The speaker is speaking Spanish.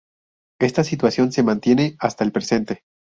Esta situación se mantiene hasta el presente.